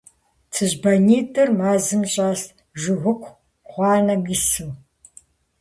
ЦыжьбанитӀыр мэзым щӀэст, жыгыку гъуанэм ису.